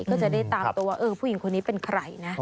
ก็จะได้ตามตัวว่าผู้หญิงคนนี้เป็นใครนะ